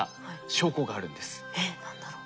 えっ何だろう？